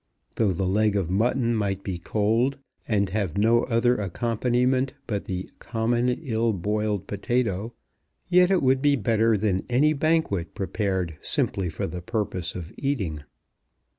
Though the leg of mutton might be cold, and have no other accompaniment but the common ill boiled potato, yet it would be better than any banquet prepared simply for the purpose of eating.